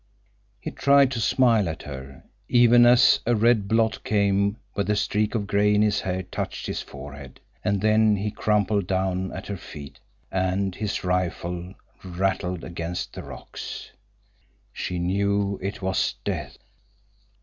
He tried to smile at her, even as a red blot came where the streak of gray in his hair touched his forehead. And then he crumpled down at her feet, and his rifle rattled against the rocks. She knew it was death.